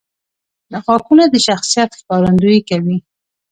• غاښونه د شخصیت ښکارندویي کوي.